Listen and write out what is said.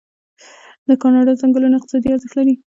د کاناډا ځنګلونه اقتصادي ارزښت لري.